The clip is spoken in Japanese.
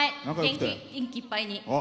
元気いっぱいに。